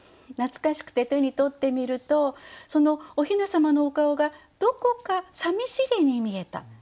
懐かしくて手に取ってみるとそのおひなさまのお顔がどこかさみしげに見えた。